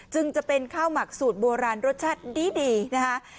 จึงจะเป็นข้าวหมักสูตรโบราณรสชาติดีนะคะ